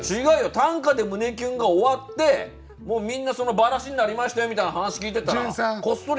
「短歌ｄｅ胸キュン」が終わってみんなばらしになりましたよみたいな話聞いてたらこっそり。